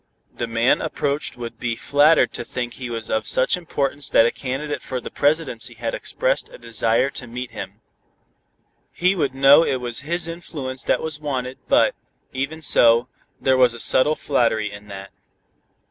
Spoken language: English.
The man approached would be flattered to think he was of such importance that a candidate for the presidency had expressed a desire to meet him. He would know it was his influence that was wanted but, even so, there was a subtle flattery in that.